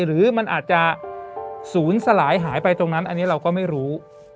หรือมันอาจจะศูนย์สลายหายไปตรงนั้นอันนี้เราก็ไม่รู้